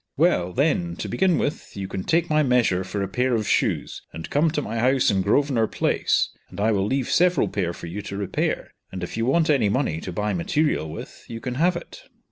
"Well, then, to begin with, you can take my measure for a pair of shoes, and come to my house in Grosvenor Place, and I will leave several pair for you to repair, and if you want any money to buy material with, you can have it."